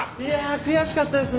悔しかったですね